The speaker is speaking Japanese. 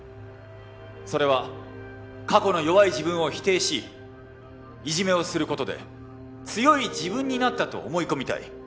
それは過去の弱い自分を否定しいじめをする事で強い自分になったと思い込みたい。